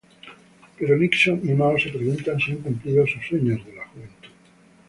Pero Nixon y Mao se preguntan si han cumplido sus sueños de la juventud.